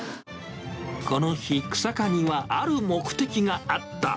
この日、日下にはある目的があった。